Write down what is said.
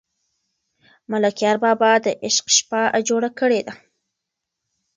ملکیار بابا د عشق شپه جوړه کړې ده.